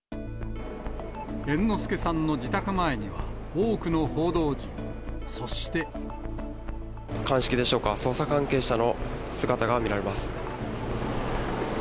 猿之助さんの自宅前には多くの報道陣、そして。鑑識でしょうか、捜査関係者の姿が見られます。